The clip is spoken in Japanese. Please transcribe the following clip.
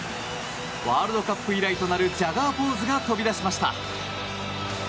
ワールドカップ以来となるジャガーポーズが飛び出しました。